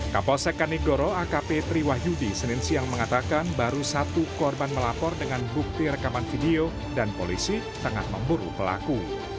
kapolsek kanigoro akp triwah yudi senin siang mengatakan baru satu korban melapor dengan bukti rekaman video dan polisi tengah memburu pelaku